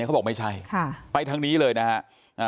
เขาบอกไม่ใช่ค่ะไปทางนี้เลยนะฮะ